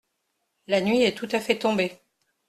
La nuit est tout-à-fait tombée.